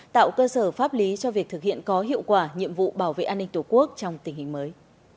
tạo cơ sở pháp lý cho việc thực hiện có hiệu quả nhiệm vụ bảo vệ an ninh tổ quốc trong tình hình mới